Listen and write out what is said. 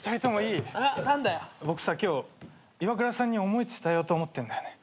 僕さ今日イワクラさんに思い伝えようと思ってんだよね。